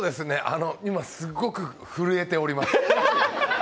あの、今すっごく震えております。